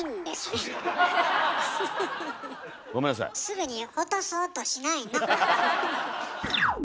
すぐに落とそうとしないの。